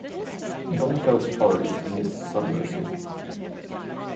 Don't tell stories, Miss Summerson.